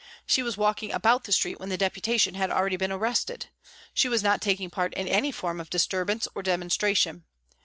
She was walking about the street when the Deputation had already been arrested. She was not taking part in any form of disturbance or demonstration.